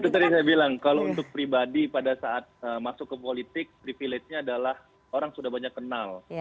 itu tadi saya bilang kalau untuk pribadi pada saat masuk ke politik privilege nya adalah orang sudah banyak kenal